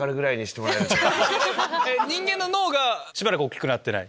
人間の脳がしばらく大きくなってない。